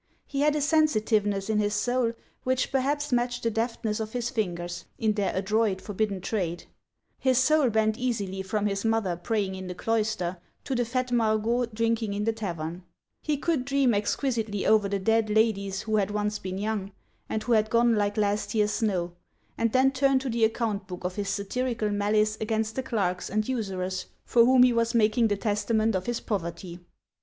He had a sensitiveness in his soul which perhaps matched the deftness of his fingers, in their adroit, forbidden trade: his soul bent easily from his mother praying in the cloister to the fat Margot drinking in the tavern; he could dream exquisitely over the dead ladies who had once been young, and who had gone like last year's snow, and then turn to the account book of his satirical malice against the clerks and usurers for whom he was making the testament of his poverty.